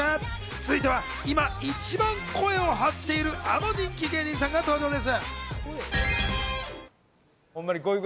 続いては今一番声を張っているあの人気芸人さんが登場です。